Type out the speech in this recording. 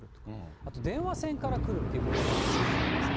あと、電話線から来るということもあるみたいなんですね。